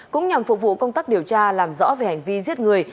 cũng nhằm phục vụ công tác điều tra làm rõ về hành vi giết người